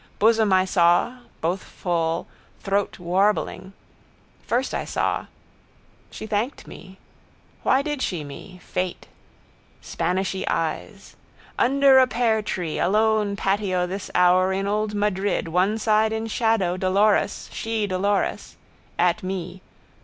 Bosom I saw, both full, throat warbling. First I saw. She thanked me. Why did she me? Fate. Spanishy eyes. Under a peartree alone patio this hour in old Madrid one side in shadow Dolores shedolores. At me.